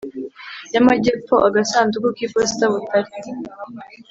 Y Amajyepfo Agasanduku K Iposita Butare